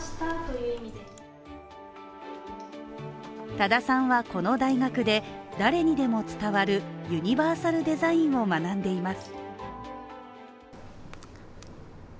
多田さんはこの大学で、誰にでも伝わるユニバーサルデザインを学んでいます。